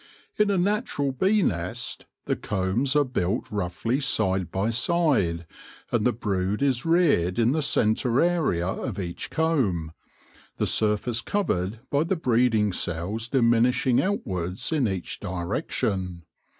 In a natural bee nest, the combs are built roughly side by side, and the brood is reared in the centre area of each comb, the surface covered by the breeding cells diminishing outwards in each direction.